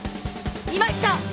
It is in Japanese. いました！